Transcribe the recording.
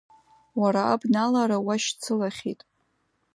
Уара абналара уашьцылахьеит…